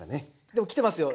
でも来てますよ。